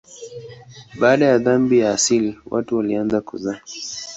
Baada ya dhambi ya asili watu walianza kuzaa.